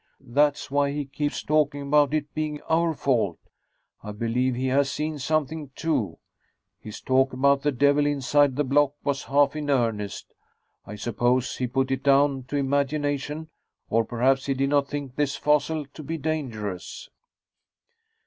That's why he keeps talking about it being our fault. I believe he has seen something, too. His talk about the devil inside the block was half in earnest. I suppose he put it down to imagination, or perhaps he did not think this fossil to be dangerous."